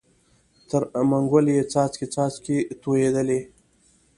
تر منګول یې څاڅکی څاڅکی تویېدلې